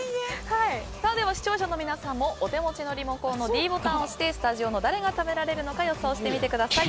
視聴者の皆さんもお手持ちのリモコンのｄボタンを押してスタジオの誰が食べられるのか予想してみてください。